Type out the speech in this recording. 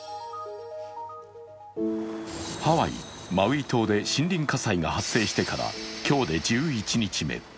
ハワイ・マウイ島で森林火災が発生してから今日で１１日目。